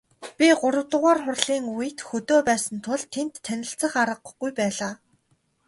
Би гуравдугаар хурлын үед хөдөө байсан тул тэнд танилцах аргагүй байлаа.